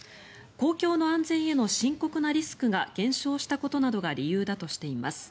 公共の安全への深刻なリスクが減少したことなどが理由だとしています。